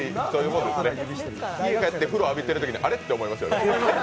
家帰って、風呂浴びてるときに、あれって思いますよね。